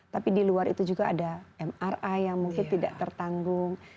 tapi di luar itu juga ada mri yang mungkin tidak tertanggung